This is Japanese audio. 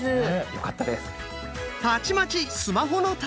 よかったです。